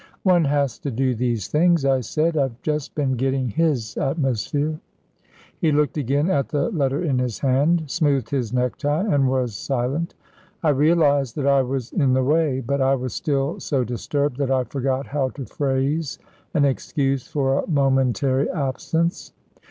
"One has to do these things," I said; "I've just been getting his atmosphere." He looked again at the letter in his hand, smoothed his necktie and was silent. I realised that I was in the way, but I was still so disturbed that I forgot how to phrase an excuse for a momentary absence.